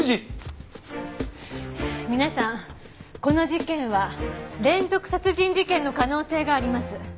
皆さんこの事件は連続殺人事件の可能性があります。